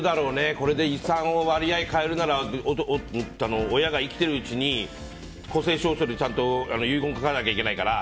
これで遺産の割合変えるなら親が生きてるうちに公正証書で遺言書かないといけないから。